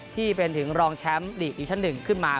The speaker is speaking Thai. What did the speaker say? ที่เป็นถึงรองแชมป์ลีกอีกชั้นหนึ่งขึ้นมา